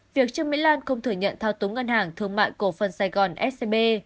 việc trương mỹ lan không thừa nhận thao túng ngân hàng thương mại cổ phần sài gòn scb